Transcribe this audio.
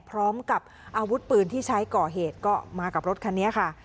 พร้อมกับอาวุธปืนที่ใช้ก่อเหตุก็มากับรถคันนี้ค่ะ